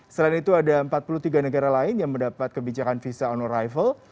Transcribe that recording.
selain itu ada empat puluh tiga negara lain yang mendapat kebijakan visa on arrival